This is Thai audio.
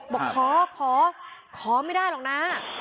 บอกขอขอไม่ได้หรอกนะ